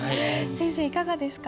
先生いかがですか？